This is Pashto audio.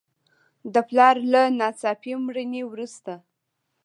د پلار له ناڅاپي مړینې وروسته.